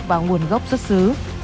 và nguồn gốc xuất xứ